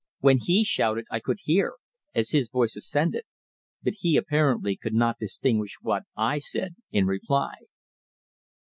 When he shouted I could hear, as his voice ascended, but he apparently could not distinguish what I said in reply.